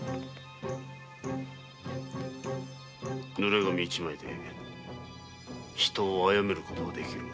濡れ紙一枚で人を殺めることもできる。